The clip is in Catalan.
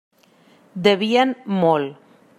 Devien molt.